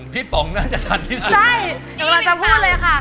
พี่ป๋องน่าจะถัดที่สุดนะครับใช่กำลังจะพูดเลยนะคะ